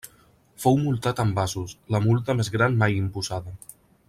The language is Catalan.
Fou multat amb asos, la multa més gran mai imposada.